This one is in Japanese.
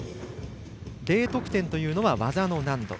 Ｄ得点というのは技の難度。